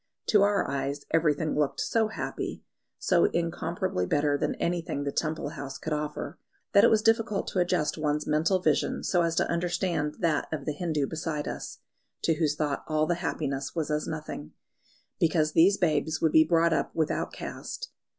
To our eyes everything looked so happy, so incomparably better than anything the Temple house could offer, that it was difficult to adjust one's mental vision so as to understand that of the Hindu beside us, to whose thought all the happiness was as nothing, because these babes would be brought up without caste.